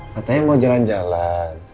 katanya mau jalan jalan